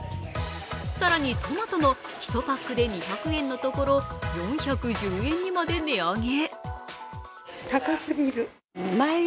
更にトマトも１パックも２００円のところ４１０円にまで値上げ。